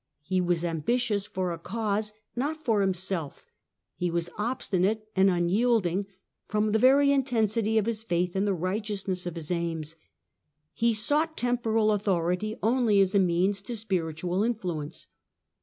He was ambitious for a cause, not for himself; he was obstinate and unyielding from the very intensity of his faith in the righteousness of his aims ; he sought tem poral authority only as a means to spiritual influence.